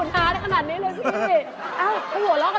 แต่พี่ตลก